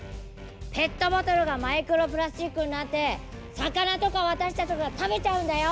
ペットボトルがマイクロプラスチックになって魚とか私たちとかが食べちゃうんだよ！